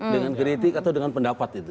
dengan kritik atau dengan pendapat itu